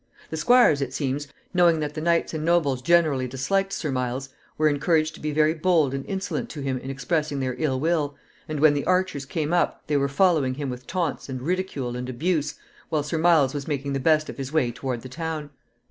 The squires, it seems, knowing that the knights and nobles generally disliked Sir Miles, were encouraged to be very bold and insolent to him in expressing their ill will, and when the archers came up they were following him with taunts, and ridicule, and abuse, while Sir Miles was making the best of his way toward the town.